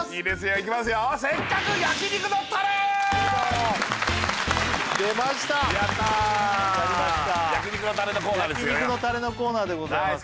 焼肉のタレのコーナーでございます